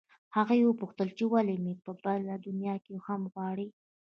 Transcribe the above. هغې وپوښتل چې ولې مې په بله دنیا کې هم غواړې